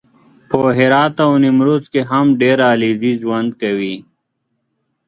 په هرات او نیمروز کې هم ډېر علیزي ژوند کوي